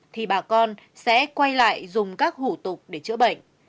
thì bà con sẽ quay lại dùng các hủ tục để chữa bệnh